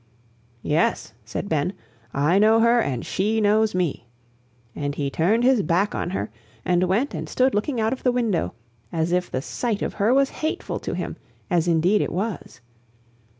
"Yes," said Ben. "I know her and she knows me." And he turned his back on her and went and stood looking out of the window, as if the sight of her was hateful to him, as indeed it was.